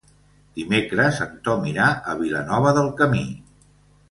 Dimecres en Tom irà a Vilanova del Camí.